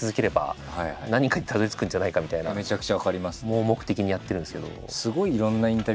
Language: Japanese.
盲目的にやってるんですけど。